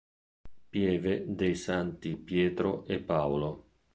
Pieve dei Santi Pietro e Paolo